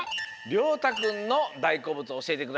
りょうたくんのだいこうぶつおしえてください。